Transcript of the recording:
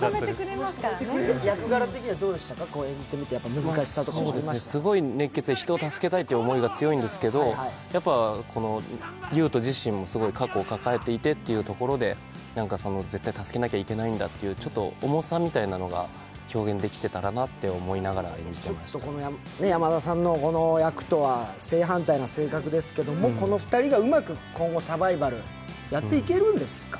役柄的にはどうでしたか演じてみて難しさとかありましたかすごい熱血で、人を助けたいという思いが強いんですけど、やっぱり優斗自身も過去を抱えていてというところで、絶対助けなきゃいけないんだという重さみたいなのを表現できたらと思って山田さんの役とは正反対な性格ですけれども、この２人がうまく今後、サバイバルやっていけるんですか？